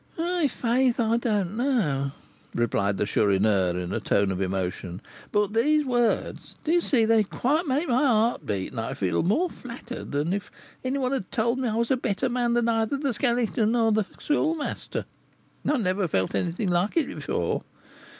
"I' faith, I don't know," replied the Chourineur, in a tone of emotion; "but these words, do you see, they quite make my heart beat; and I feel more flattered than if any one told me I was a 'better man' than either the Skeleton or the Schoolmaster. I never felt anything like it before.